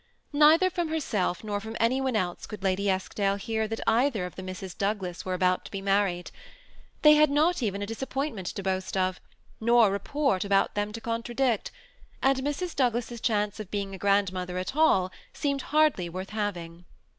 Neither from herself nor from anj one else could Lady Eskdale hear that either of the Misses Douglas were about to be married. They had not even a disappointment to boast of, not a report about them to contradict; and Mrs. Douglas's chance of being a grandmother at all seemed hardly worth having.